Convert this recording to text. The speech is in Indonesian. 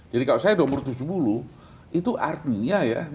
jadi kalau saya udah umur tujuh puluh itu artinya ya